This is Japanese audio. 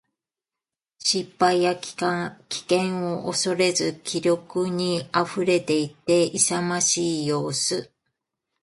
失敗や危険を恐れず気力に溢れていて、勇ましい様子。